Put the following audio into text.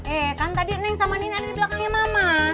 eh kan tadi neng sama nenek di belakangnya mama